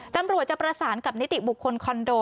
ตำรวจจะประสานกับนิติบุคคลคอนโด